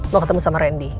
mau ketemu sama randy